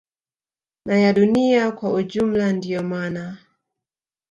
na ya dunia kwa ujumla Ndio mana